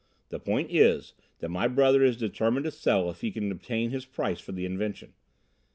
The point is that my brother is determined to sell if he can obtain his price for the invention.